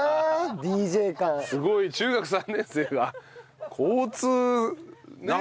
すごい中学３年生が交通。